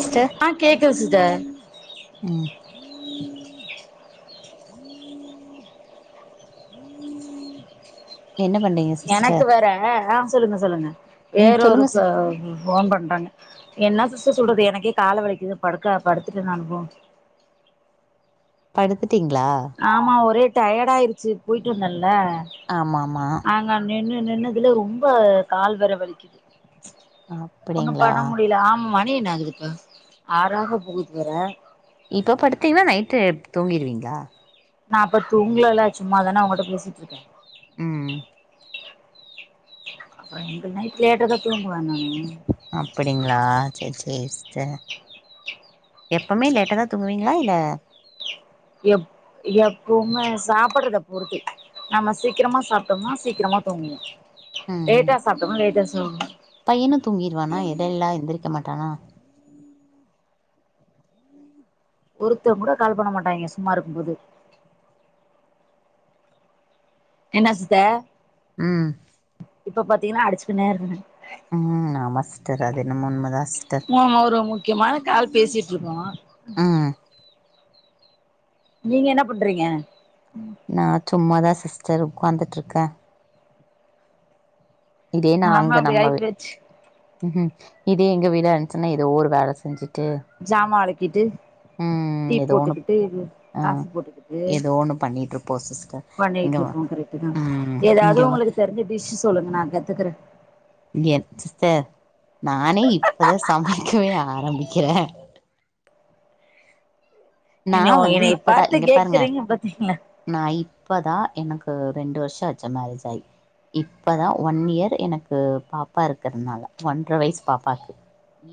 Sister ஆ கேக்குது sister ம் என்ன பண்றீங்க எனக்கு சிஸ்டர் வேற ஆ சொல்லுங்க சொல்லுங்க ம் வேற சொல்லுங்க ஒருத்த சிஸ் போன் பண்றாங்க என்னா சிஸ் டர் சொல்றது எனக்கே காலு வலிக்குது படுக்க படுத்துட்டேன் நானு போ படுத்து ஆமா ஒரே டயட் ஆயிச்சு போயிட்டு வந்தன் ல ஆமா ஆமா நாங்க நின்னு நின்னதுல ரொம்ப கால் வேர வலிக்குது ஒன்னும் அப்படிங்களா பண்ண முடியல ஆமா மணி என்ன ஆகுது இப்ப ஆறாக பேகுது வேற இப்ப படுத்தீங்கன்னா நைட்டு தூங்கிருவீங்களா நா அப்ப தூங்கிளல சும்மாதன உங்கள்ட பேசிட்டு இருக்கேன் ம் அப்ப எங்க நைட் லேட்டதா தூங்குவன் அப்டிங்களா சேர் சேஸ் சே எப்பமே லேட்ட தா தூங்குவீங்ளா இல்ல எப் எப்பவுமே சாப்புடுறத பொறுத்து நம்ம சீக்கிரமா சாப்டோம்மா சீக்கிரமா தூங்குவோம் லேட்டா சாப்புட்டமுனா லேட்டஸ் தோ பையனு தூங்கிருவானா எடல எல்லா எந்திரிருக்க மாட் டானா ஒருத்தவன் கூட கால் பண்ண மாட்டாங்கே சும்மா இருக்கும்போது என்ன சித்த ம் இப்ப பாத்தீங்கன்னா அடிச்சுகின்னே இருக்குங்க ம் ஆமா சிஸ்டர் அதே நம்ம ஒரு முக்கியமா கால் பேசிட்டு இருக்கோம் ம் நீங்க என்ன பண்றீங்க நான் சும்மாதான் சிஸ்டர் உட்காந்துட்டு இருக்கேன் இதே நான் நாலாம அங்க அப்டி ஆயி நம்பவே போச்சு ம்ம் இதே எங்க வீட இருந்துச்சுன்னா ஏதோ ஒரு வேலை செஞ்சுட் சாமான் வெளக்கிட்டு ம் டீ ஏதோ ஒன்னு போட்டுக்கிட்டு ஆ காபி போட்டுக்கிட்டு ஏதோ ஒண்ணு பண்ணிட்டு இருப்போ சிஸ்டர் இங்க பண்ணிட்டு இருப்போம் கரெக்ட் தான் ம் ஏதாவது இங்க உங்களுக்கு தெரிஞ்ச டிஷ் சொல்லுங்க நான் கத்துக்குறேன் ஏ சிஸ்டர் நானே இப்பதான் சமைக்கவே ஆரம்பிக்கிறேன் நீங்க என்னைய இப்பதா பார்த்து கேக்குறீங்க பாத்தீங்களா இப்போதான் எனக்கு ரெண்டு வருஷம் ஆச்சு மேரேஜ் ஆயி இப்போ தான் ஒன் இயர் எனக்கு பாப்பா இருக்கிறதுனால ஒன்றரை வயசு பாப்பாவுக்கு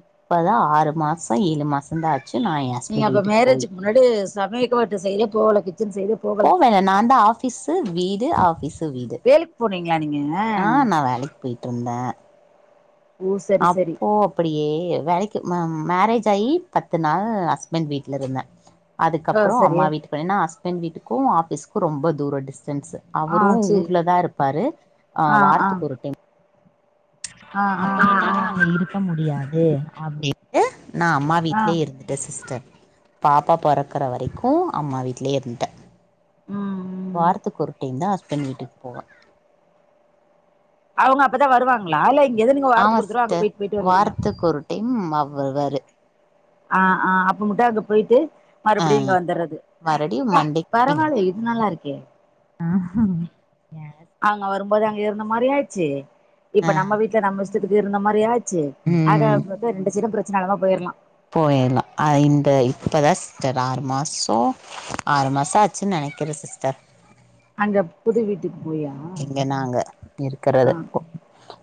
இப்போ தான் ஆறு மாதம் ஏழு மாசம் தான் ஆச் செ நான் என் நீங்க ஹஸ்பண்ட் அப்ப வீட்டுக் மேரேஜுக்கு முன்னாடி சமயக்கட்டு சைடே போவல போவேனே நான் தான் ஆபிஸு வீடு ஆஃபிஸ் வேலிக் போனீங் ஆ நான் வேலைக்கு போயிட் ருந்தேன் ஓ சரி சரி அப்போ அப்டியே வேலைக் கி ம மரேஜ் ஆயி பத்து நாள் ஹஸ்பண்ட் வீட்லருந்தேன் ஆ அதுக்கப்புறோம் சரி அம்மா வீட்டுக்கு இல்லனா ஹஸ்பண்ட வீட்டுக் க்கும் ஆபிஸ்க்கு ரொம்ப தூரம் டிஸ் டன்ஸ் ஆ அவரும் சேரி ஊர்ல தான் இருப்பாரு அ ஆ ஆ வாரத்துக்கு ஒரு டைம் ஆ இருக்க முடியாது அப்டின் ஏ நா அம்மா ஆ வீட்லே இருந்துட்டே சிஸ்டர் பாப்பா பொறக்கற வரைக்கு அம்மா வீட்யே இருந்ட்டே ம் ம் வார்த்துக் ஒரு டைம் தா தன் வீட்டுக் போவே அவுங்க அப்தா வருவாங்ளா இல்ல எத நீங்க வாரத்துக் கொருதடவ அங்க பேட்டு பேட்டு வருவீங்ளா ம் அவர் வருவாரு ஆ ஆ அப்ப முட்ட அங்க பேய்ட்டு ஆ மறுபடியு இங்க வந்துறது மறுபடியு ப்பா மண்டே பரவால்லயே இது நல்லாருக்கே [inaudible] அவுங்க வரும்போது அங்க இருந்த மாரி ஆய்ச்சு இப்ப ஆ நம்ம வீட்ல நம்ம இஷ்டத்துக்கு இருந்த மாரியு ஆச்சு ஆக ரெண்டு சைடு பிரச் சி நலமா போருலா போயிர்லா அ இந்த இப்பதா சிஸ்டர் ஆறு மாசோ ஆறு மாச ஆச்சுன் நெனக்குறே சிஸ்டர் அந்த புது வீட்டுக் இங்க நாங்க ஆ இருக்குறதுப்போ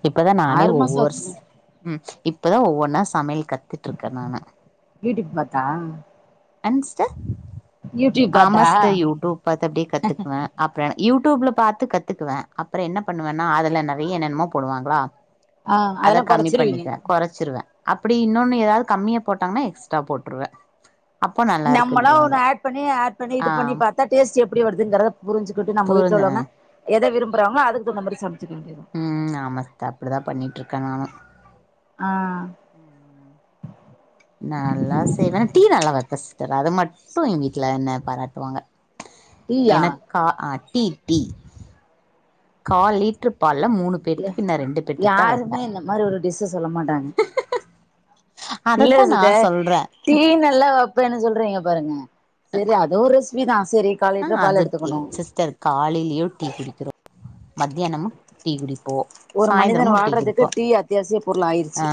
இப்பதா நானே ஆறு மாசோ ஒவ்வொர்ஸ் ஆச்சுல உம் இப்பதா ஒவொன்னா சமை வீட்டுக்கு பாத்தா என்ன சிஸ்டர் யூடியூப் ஆம பாத்தா சிஸடர் யூடூப் பாத்து அப்டி கத்துக்குவே ஆப் ப்பே யூடுப்ல பாத்து கத் த்துக்குவே அப்புறோ என்ன பண்ணுவேன்னா அதுல நெறய என்னென்னமோ போடுவாங்ளா ஆ அத அதெல்லா கம்மி கொறச்சிருவீங்க பண்ணிக்குவே கொறச்சுருவே அப்டி இன்னொன்னு ஏதாவது கம்மியா போட்டாங்கன்னா எக்ஸ்ட்ரா போட்ருவே நம்மளா ஒன்னு ஆட் பண்ணி ஆட் பண்ணி இது ஆ பண்ணி பாத்தா டேஸ்ட் எப். ப்டி வருதுங்கறத. புருஞ்சுக்கிட்டு நம்ம வீட்ல புரிஞ்ச உள்ளவங்க எதவிரும்பு. றாங்களோ அதுக்கு தகுந்த மாதிரி சம. உம் ஆமா சிஸ்டர் அப்டிதா பண்ணிட்டு இருக்கே நானு ஆ. உம். நல்லா செய்வே டீ நல்லா வப். கஸ்டர் அத மட்டு எங்க வீட்ல என்ன பாராட்டுவாங்க. டீயா எனக்கா ஆ டீ டீ. கால லீட்ற்று பால். இல்ல யாருமே இந்த மாரி ஒரு டிஸ்ஸ சொல்லமாட்டாங்க. இல்ல அதத்தா நா சிஸ்த சொல்றே டீ நல்லா வெப்பேன்னு சொல்றீங்க. பாருங்க சேரி அதோ ஓர் ரெசிபிதா. ஆ அது டீ சிஸ்டர் காலிலியோ டீ குடிக்கிறோ. மத்யானமு டீ குடி. ஒரு மனிதன் வாழ்றதுக்கு டீ அத்தியாசிய பொருள் ஆயிருச்சி.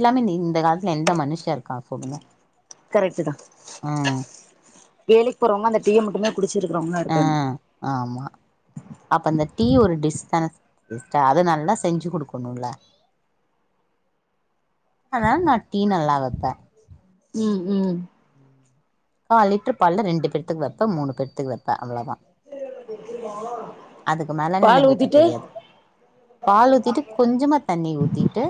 இல்லாமே நி இந்த காலத்துல எந்த மனுஷ இருக்கா சொல்லுங்க. கரெட்டுதா. ஆ. வேலைக்கு போறவுங்க அந்த டீய மட்டுமே. குடிச்சிருக்கிறவங்களா ஆ இருக்காங்க ஆமா அப்ப இந்த டீ ஒரு டிஸ் தான சிஸ்டர் அது நல்லா செஞ்சி குடுக்கணு இல்ல அனால நா டீ நல்லா வெப்பே. ம் ம். கால் லிட்டரு பால்ல ரெண்டு பேத்துக்கு வைப்ப மூணு பேத்துக்கு வைப்ப அவ்ளோதா. [unintelligible] அதுக்கு மேலனனக் பால் வைக்க ஊத்திட்டு தெரியாது பால் ஊத்திட்டு கொஞ்சமா தண்ணி ஊத்திட்டு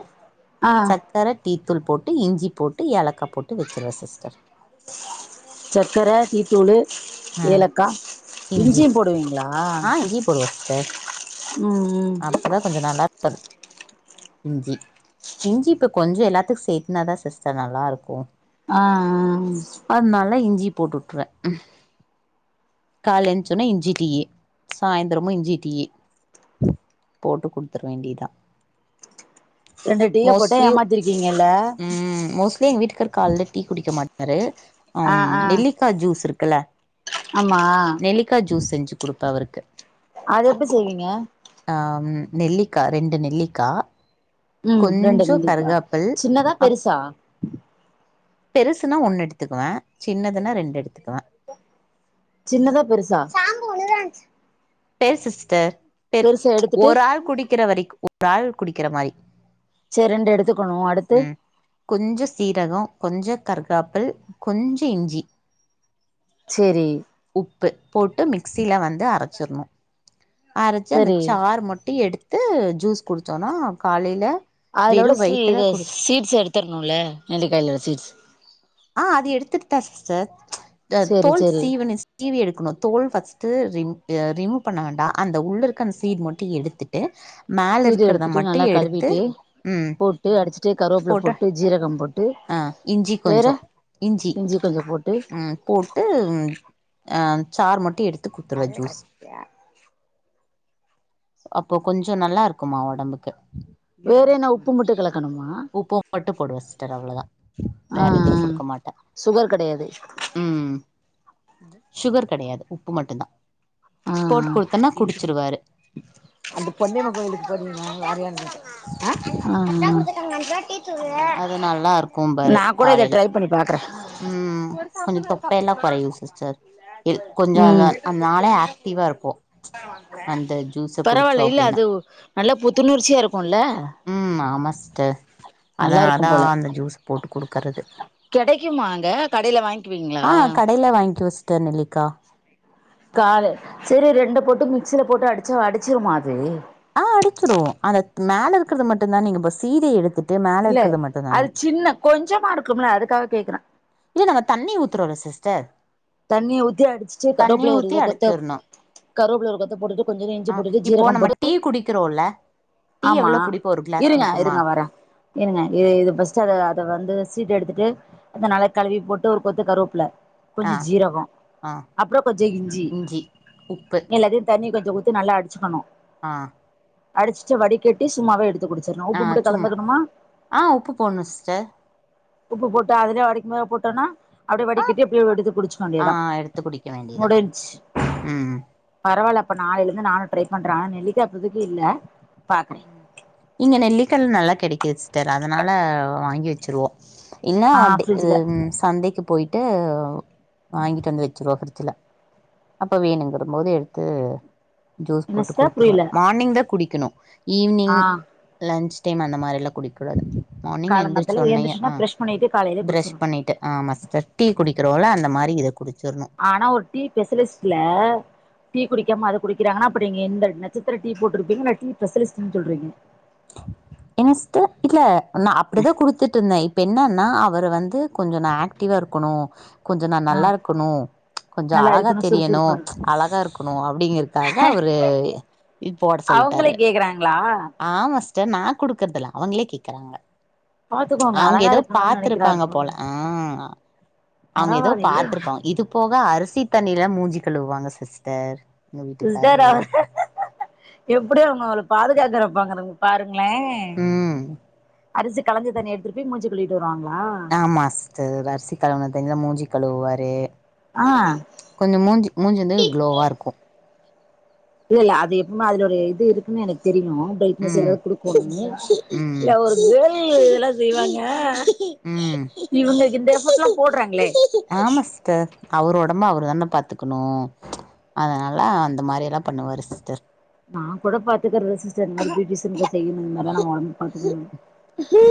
ஆ சக்கர டீ. த்தூள் போட்டு இஞ்சி போட்டு ஏலக்க போட்டு வச்சிருவே சிஸ்டர். சர்க்கர டீத்தூளு. ஆ ஏலக்கா இஞ்சி இஞ்சியு போடுவீங்களா ஆ இஞ்சி போடுவோ சிஸ்டர் ம் ம். அப்பதா கொஞ்சோ நல்லா இஞ்சி இஞ்சி இப்ப கொஞ்சோ எல்லாத்துக்கு சேத்தனாதா சிஸ்டர் நல்லாருக்கு. ஆ போட்டுட்ருவே ம். காலென்ச்சுன்னா இஞ்சி டீயி சாயந்திரமு இஞ்சி டீயி போட்டு குடுத்தர வேண்டியதா ரெண்டு டீய போட்டே மோஸ்ட்லி ஏமாத்திருக்கீங்கல்ல ம் மோஸ்ட்லி எங்க வீட்டுக்கார் கால்ல டீ குடிக்கமாட்டாரு ஆ அம் ஆ நெல்லிக்கா ஜூஸ் இருக் க்கல ஆமா நெலிக்கா ஜூஸ் செஞ் கொடுத்தா அவருக்கு அது எப்டி செய்வீங்க ஆ நெல்லிக்கா ரெண்டு நெல்லிக்கா உம் ரெண்டு கொஞ்சோ நெல்லிக்கா கருகாப்பிள் சின்னதா அப் பெருசா பெருசுனா ஒன்னு எடுத்துக்குவே சின்னதுனா ரெண்டு எடுத்துக்குவே சின்னதா பெருசா பெருசு சிஸ்டர் பெருசா எடுத்துட்டு ஒரு ஆள் குடிக்கிற வரைக்கு ஒரு ஆள் குடிக்கிற மாரி செரி ரெண்டு எடுத்துக்க உம் கொஞ்சோ சீரகோ கொஞ்சோ கர்காப்பிள் கொஞ்சோ இஞ்சி சேரி உப்பு போட்டு மிக்சியில வந்து அரச்சிரணு அரச்சு அந்த சரி சார் மட்டு எடுத்து த்து ஜூஸ் குடிச்சோனா காலேல அதுலோட ஸ்லீய் சீ்ட்ஸ் எடுத்துரணுல்ல நெல்லிக்காய்ல உள்ள சீட்ஸ் ஆ அது எடுத்துட்டு தா சிஸ்டர் சேரி தோல் சேரி சீவ சீவி எடுக்கணு தோல் ரிமூவ் பண்ண வேண்டா அந்த உள்ள இருக்க அ சீட் மட்டு எடுத்துட்டு மேல சீடு இருக்கிறத எடுத்துட்டு மட்டு நல்லா எடுத்து கழுவிட்டு ம் போட்டு அடுச்சுட்டு கருவேப்ல போட்டு ஜீரகம் போட்டு ஆ இஞ்சி வேற கொஞ்சோ இஞ்சி கொஞ்சோ போட்டு உம் போட்டு ஆ சாரு மட்டு எடுத்து குடுத்துருவே அதுல ஜூஸ் கட்சியா அப்போ கொஞ்சோ நல்லா இருக்குமா ஒடம்புக்கு வேற என்ன உப்பு மட்டு கலக்கணுமா உப்பு மட்டு போடுவே சிஸ்டர் அவ்ளோதா வேற எதுவு ஆஹ்ஹ் குடுக்க மாட்டே சுகர் கெடயாது ம் சுகர் கெடையாது உப்பு மட்டு தா ஆ அந்த பொன்னியம்மா கோவிலுக்கு போனீங்களா [unintelligible] அ ஆ ஆ சங்க ம் சார் அது நல்லா இருக்கும்பாரு நா கூட இத காலைல ட்ரை பண்ணி பாக்குறே ம் கொஞ்ச தொப்ப எல்லா கொறையு சிஸ்டர் ல் கொஞ்ச அனான் அந்நாலே ஜூஸ குடிச்சோ பரவாயில்ல இல்ல அப்டின்னா அது நல்ல புத்துணர்ச்சியா இருக்குல்ல ம் ஆமா சிஸ்டர் நல்லா அதனாலதா இருக்கும் போல அந்த ஜூஸ் போட்டு குடுக்கறது க்கியுமாங்க கடையில வாங்கிக்குவீங்களா த்த நெல்லிக்கா காலே சேரி ரெண்டு பொட்டு மிக்சில போட்டு அடிச்சா அடிச்சிரமாது ஆ அடிச்சிருவோ அந்த மேல இருக்கறத மட்டுதா நீங்க சீதை எடுத்து இல்ல அது சின்ன கொஞ்சமா இருக்கும்லா அதுக்காக கேக்குறே இல்ல நாங்க தண்ணி ஊத்துறோல்ல சிஸ்டர் தண்ணிய ஊத்தி அடிச்சிட்டு தண்ணி கருவேப்பிள்ளை ஒரு ஊத்தி இத கொத்த அடிச்சிர்ணு கருவேப்பிள்ளை ஒரு கொத்த போட்டுட்டு கொஞ்சோ இஞ்சி ஆ போட்டுட்டு இப்போ ஜீரகம் நம்ம போட்டு டீ குடிக்கிறோல்ல டீ ஆமா எவ்ளோ குடிப்போ ஒரு கிளாஸ் இருங்க குடிப்போமா இருங்க வர இருங்க இ இது பஸ்ட் அத அத வந்து சி இது எடுத்துட்டு அந்த நல்ல கழுவி போட்டு ஒரு கொத்த கருவேப்புல கொஞ்ச ஆ ஜீரகோ ஆ அப்புறோ கொஞ்சோ இஞ்சி உப்பு எல்லாத்தையு தண்ணி கொஞ் இத குத்து நல்லா அடிச்சக்கணு ஆ அடிச் ச்சி வடி கட்டி சும்மாவே எடுத் ஆ சும்மா ஆ உப்பு போணு சிஸ்டர் உப்பு போட்டு அதிலியு கடிக்குமோ போட்டன்னா அப்பிடியே ஆ வடிக்கிட்டி அப்பிடி எடுத்து குடிச்சிக்க ஆ வேண்டியதா எடுத்து குடிக்க வேண்டியதா முடிஞ்ச்சி ம் பரவாயில்ல இப்ப நாலைலந்து நானு ட்ரை பண்றே நெல்லிக்கா இப்பதுக்கு இல்ல பாக்குறே ம் இங்க நெல்லிக்கால் நல்லா கெடைக் கி சிஸ்டர் அதனால வாங்கி வச்சிருவோ இன்னோ ஆ டே இது ஃப்ரிட்ஜ்ல சந்தைக்கு போயி ம்ம் வாங்கிட்டு வந்து வச்சருவோம் பபிரிட்ஜ் ல அப்ப வேணுங்கிற போது எடுத்து ஜூஸ் என்ன போட்டு சிஸ்டர் கொடுத்துருவோம் புரியல மார்னிங் தான் குடி கணும் ஆ ஈவி்னிங் லன்ச் டைம் அந்த மாரிலாம் குடிக்க கூடாது மார்னிங் எந்திரிச்சு காலங்காத்தால உன்னேயே ஏந்திரிச்சுன்னா ஆஹ் பிரஷ் பண்ணிட்டு காலையில ப்ரஷ் குடிச்சிடனு பண்ணிட்டு ஆமா சிஸ்டர் டீ குடி வோம்ல அந்த மாதிரி இதை கொடுத்து ஆனா ஒரு டீ ஸ்பெஷலிஸ்ட்ல குடிக்காம அதை குடிக்கிறாங்கன்னா அப்ப நீங்க எந்த லட்சணதுலா டீ போட்டு இருப்பீங்க டீபெஸலிஸ்டுனு சொல்றீங்க என்ன சிஸ்டர் இல்ல ஆனா அப்படிதான் கொடுத்துட்டு இருந்தேன் இப்ப என்னனா அவர் வந்து கொஞ்சம் நான்ஆக்டிவா இருக்கணும் கொஞ்சம் நான் ஆ நல்லா இருக்கணும் கொஞ்சம் நல்லா அழகா இருக்கணு தெரியணும் சுறுசுறுப்பா இருக்கணு அழகா இருக்கணும் அப்படிங்கறக்காக அவரு இது போட அவங்களே சொல்லிட்டாரு கேக்குறாங்களா ஆமா நான் குடுக்குறதல அவங்களே கேக்குறாங்க பாத்துக்கோங்க அவுங்க அழகா ஏதோ இருக்கணும்னு நெனைக்கிறாரு பார்த்திருப்பாங்க போல ஆஹ் அவுங்க ஏதோ பரவாயில்லையே பாத்திருப்பாங்க இது போக அரு அரிசி தண்ணில எல்லாம் மூஞ்சி கழுவாங்க சிஸ்டர் எங்க சிஸ்டர் வீட்டுக்காரரு எப்டி அவுங்க அவளை பாதுகாக்குற ங்கங்க பாருங்க ங்களே ம் அரிசி கலஞ்ச தண்ணி எடுத்துட்டு போய் மூஞ்சி கழுவிட்டு வரணும் ஆமா சிஸ்டர் அரிசிக் கழுவுனா தண்ணிமூஞ்சி கழுவுவாரு ஆ கொஞ்சம் மூஞ்சு மூஞ்சது கு்ளோவா இருக்கும் இல்ல இல்ல அது எப்பவுமைஅதுல ஒரு இது இருக்குன்னு எனக்கு தெரியும் பிரைட்னஸ் ம் எதோ குடுக்கும்னு இல்ல ம் ஒரு கேர்ள் இதெல்லாம் செய்வாங்க ம் இவுங்க இந்த எபக்டுலாம் போடுறாங்களே ஆமா சிஸ்டர் அவரு உடம்பு அவர் தானே பாத்துக்கணும் அதனால அந்த மாரி எல்லாம் பண்ணுவாரு சிஸ்டர் நான் கூட பாத்துக்குறது சிஸ்டர் இந்த மாதிரி பியூட்டிசன் கோர்ஸ் செய்யணும் இந்த மாதிரி நான் உடம்பு பாத்துக்கிறேன்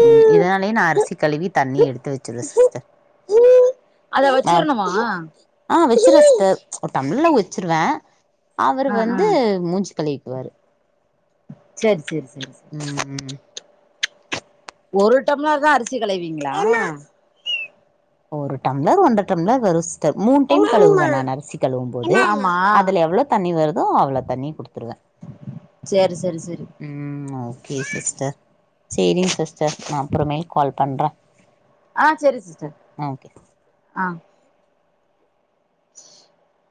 ம் இதுனாலயே நா அரிசி கழுவி தண்ணி எடுத்து வச்சிருவ சிஸ்டர் அத ஆ வச்சிரணுமா ஆ வச்சிருவ சிஸ்டர் ஒரு டம்ளல வச்சிருவே அவரு ஆ ஆ வந்து மூஞ்சி கழுவிக்குவாரு சேரி சேரி சேரி சேரி ம் ஒரு டம்ளர் தா அரிசி களைவீங்ளா? ஒரு டம்ளர் ஒன்ற டம்ளர் வரு மூன் டைம் என்ன கழுவுவே அனிமா நான் அரிசி கழுவும் போது ஆமா அதுல எவ்ளொ தண்ணி வரு மோ அவ்ள தண்ணி குடுத் துருவே சேரி சேரி சேரி ம் ஓகே சிஸ்டர் சேரிங் சிஸ்டர் நா அப்றமே கால் பண்றே ஆ செரி சிஸ் டர் ஓகே ஆ [inaudible]